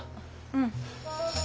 うん。